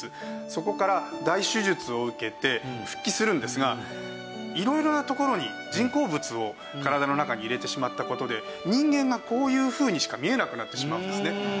そこから大手術を受けて復帰するんですが色々なところに人工物を体の中に入れてしまった事で人間がこういうふうにしか見えなくなってしまうんですね。